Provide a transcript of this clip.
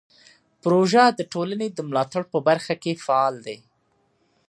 پروژه د ټولنې د ملاتړ په برخه کې فعال دی.